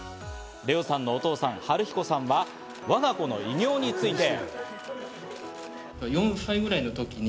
怜央さんのお父さん・陽彦さんはわが子の偉業について。